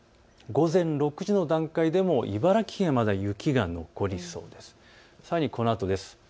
午前６時の段階でも茨城県はまだ雪が残りそうです。